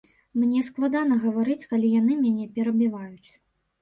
Мне складана гаварыць, калі яны мяне перабіваюць.